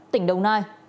tỉnh đồng nai